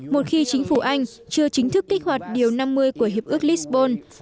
một khi chính phủ anh chưa chính thức kích hoạt điều năm mươi của hiệp ước lisbon